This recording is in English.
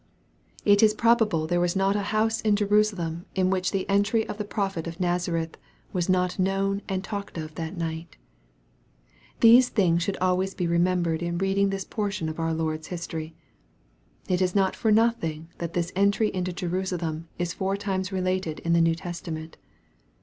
It is probable there was not a house in Jerusalem in which the entry of the prophet of Nazareth was not known and talked of that night These things should always be remembered in reading this portion of our Lord's history. It is not for nothing that this entry into Jerusalem is four times related in the New Testament.